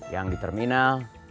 yang di terminal